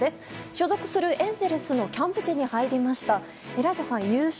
所属するエンゼルスのキャンプ地に入りました。